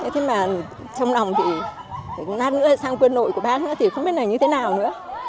thế mà trong lòng thì hát nữa sang quân nội của bác nữa thì không biết là như thế nào nữa